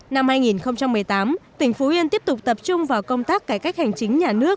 năm hai nghìn một mươi tám tỉnh phú yên tiếp tục tập trung vào công tác cải cách hành chính nhà nước